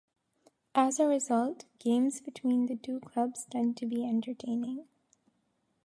As a result, games between the two clubs tend to be entertaining.